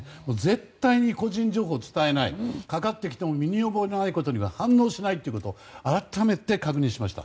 絶対に個人情報を伝えないかかってきても身に覚えのないことには反応しないということを改めて確認しました。